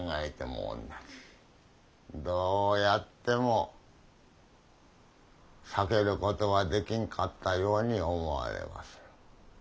どうやっても避けることはできんかったように思われまする。